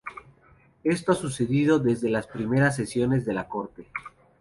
Esto ha sucedido desde las primeras sesiones de la Corte.